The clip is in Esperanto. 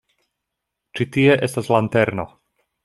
Ĉi tie estas lanterno.